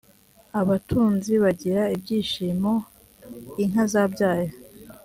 abutunzi bagira ibyishimo inkazabyaye.